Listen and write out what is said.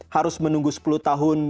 harus menunggu sepuluh tahun